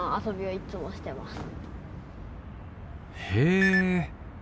へえ。